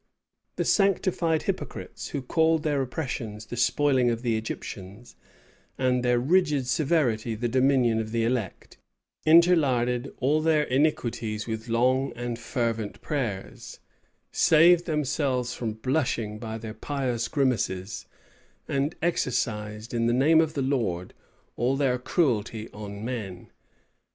The sanctified hypocrites, who called their oppressions the spoiling of the Egyptians, and their rigid severity the dominion of the elect, interlarded all their iniquities with long and fervent prayers, saved themselves from blushing by their pious grimaces, and exercised, in the name of the Lord, all their cruelty on men.